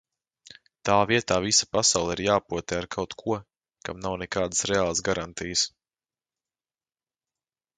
Tā vietā visa pasaule ir jāpotē ar kaut ko, kam nav nekādas reālas garantijas...